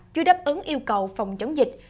chưa đáp ứng yêu cầu phòng chống dịch